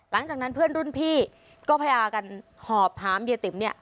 หลังจากนั้นเพื่อนรุ่นพี่ก็พยายามกันหอบหามเยติ๋มเนี่ย